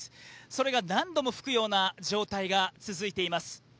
それが何度も吹くような状態が続いています。